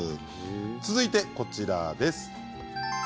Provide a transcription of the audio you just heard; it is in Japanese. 続いてこちらです。